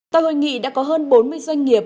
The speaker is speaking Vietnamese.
tại hội nghị đã có hơn bốn mươi doanh nghiệp